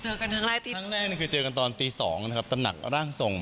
เจอกันครั้งรายมืองแรกนี่คือเจอกันตอนตีสองนะครับตำหนักร่างทรง